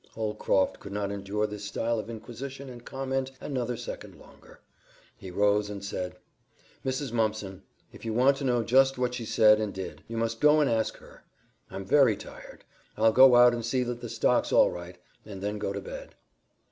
Holcroft could not endure this style of inquisition and comment another second longer. He rose and said, "Mrs. Mumpson, if you want to know just what she said and did, you must go and ask her. I'm very tired. I'll go out and see that the stock's all right, and then go to bed."